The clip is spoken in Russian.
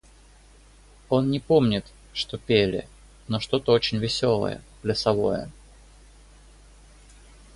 Он не помнит, что пели, но что-то очень веселое, плясовое.